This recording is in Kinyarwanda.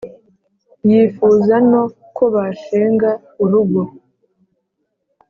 yifuza no ko bashinga urugo.